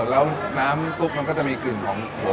มันนาวสดครับเออแล้วน้ำตุ๊กมันก็จะมีกลิ่นของหัว